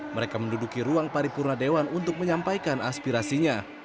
mereka menduduki ruang paripurna dewan untuk menyampaikan aspirasinya